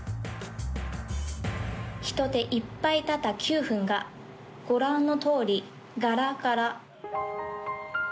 人でいっぱいだった九がご覧のとおりガラガラ。